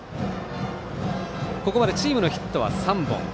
ここまでチームのヒットは３本。